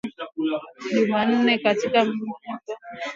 Jumanne katika mnyanyuko wa mita elfu tatu mia saba ishirini